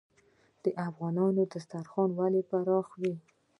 د افغانانو دسترخان ولې پراخ وي؟